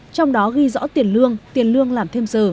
trong đó ghi rõ tiền lương tiền lương làm thêm giờ